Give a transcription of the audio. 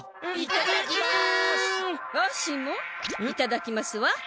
「いただきます」は？